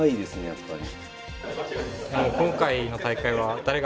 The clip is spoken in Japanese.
やっぱり。